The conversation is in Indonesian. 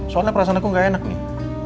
soalnya perasaan aku gak enak nih